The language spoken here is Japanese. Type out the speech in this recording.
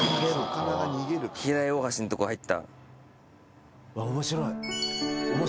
平井大橋んとこ入った。